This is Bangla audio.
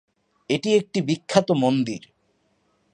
এটি একটি বিখ্যাত মন্দির।